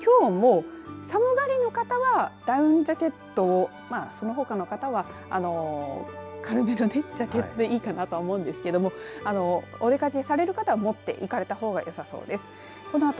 ただきょうも寒がりの方はダウンジャケットをそのほかの方は軽めのジャケットでいいかなと思うんですけどもお出かけされる方は持っていかれた方がよさそうです。